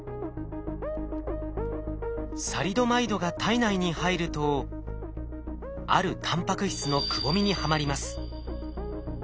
サリドマイドが体内に入るとあるタンパク質のくぼみにはまります。